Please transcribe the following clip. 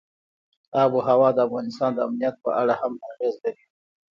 آب وهوا د افغانستان د امنیت په اړه هم اغېز لري.